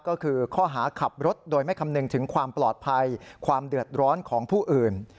ก็คือข้อหาขับรถโดยไม่คำนึงถึงความปลอดภัยความเดือดร้อนของผู้อื่น